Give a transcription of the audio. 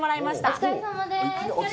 お疲れさまです。